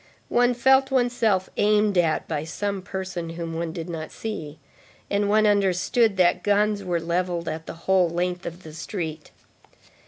One felt oneself aimed at by some person whom one did not see, and one understood that guns were levelled at the whole length of the street.